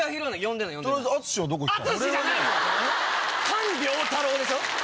菅良太郎でしょ？